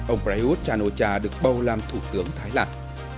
ông prayuth chan o cha được bầu làm thủ tướng thái lan